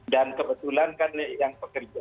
dan kebetulan kan yang